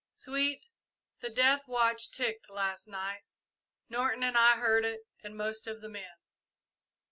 "Sweet, the death watch ticked last night Norton and I heard it and most of the men.